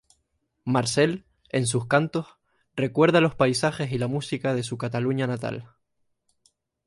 Marcel, en sus cantos, recuerda los paisajes y la música de su Cataluña natal.